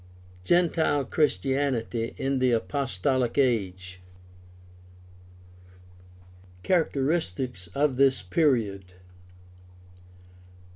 GENTILE CHRISTIANITY IN THE APOSTOLIC AGE Characteristics of the period.